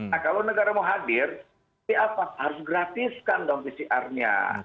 nah kalau negara mau hadir harus gratiskan dong pcr nya